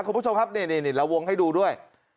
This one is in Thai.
คุณผู้ชมครับนี่เราวงให้ดูด้วย